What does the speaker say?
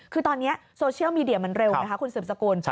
คือตอนนี้โซเชียลมีเดียมันเร็วไหมคะคุณสืบสกุล